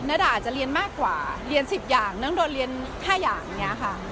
ด่าอาจจะเรียนมากกว่าเรียน๑๐อย่างน้องโดนเรียน๕อย่างนี้ค่ะ